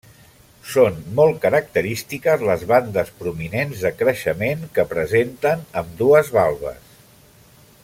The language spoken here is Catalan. Són molt característiques les bandes prominents de creixement que presenten ambdues valves.